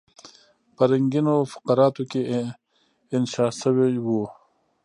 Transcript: په رنګینو فقراتو کې انشا شوی وو.